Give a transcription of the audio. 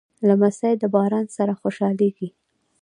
لمسی د باران سره خوشحالېږي.